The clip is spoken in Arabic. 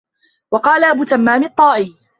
وَقَالَ أَبُو تَمَّامٍ الطَّائِيُّ